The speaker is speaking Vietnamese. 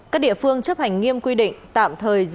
ba các địa phương chấp hành nghiêm quy định tạm thời diễn